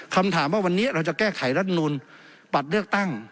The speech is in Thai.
คำถามว่าวันนี้เราจะแก้ไขรัฐมนูลบัตรเลือกตั้ง